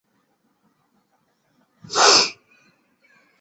电影在北爱尔兰的贝尔法斯特拍摄。